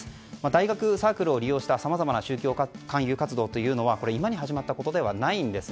大学サークルを利用したさまざまな宗教勧誘活動は今に始まったことではないんです。